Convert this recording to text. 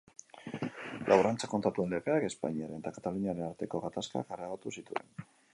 Laborantza Kontratuen Legeak Espainiaren eta Kataluniaren arteko gatazkak areagotu zituen.